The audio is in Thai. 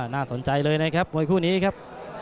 น่าสนใจเลยนะครับมวยคู่นี้ครับ